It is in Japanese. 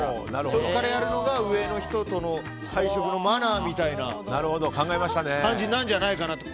そこからやるのが上の人との会食のマナーみたいな感じなんじゃないかなと。